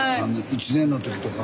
１年の時とか。